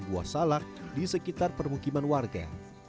buah salak di sekitar permukiman warga